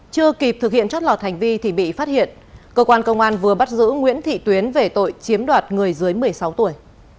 chưa kịp thực hiện trót lọt hành vi thì bị phát hiện cơ quan công an vừa bắt giữ nguyễn thị tuyến về tội chiếm đoạt người dưới một mươi sáu tuổi